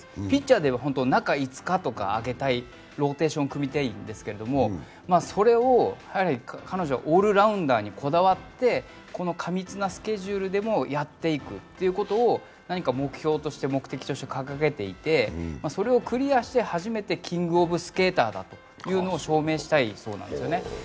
ピッチャーでいうと中５日あけたいローテーションを組みたいんですけどそれを彼女はオールラウンダーにこだわって、この過密なスケジュールでもやっていくということを何か目標として、目的として掲げていて、それをクリアして初めてキング・オブ・スケーターだというのを証明したいそうなんですよね。